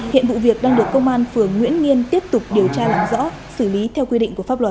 hiện vụ việc đang được công an phường nguyễn nghiên tiếp tục điều tra làm rõ xử lý theo quy định của pháp luật